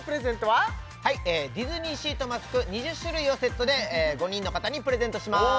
はいディズニーシートマスク２０種類をセットで５人の方にプレゼントします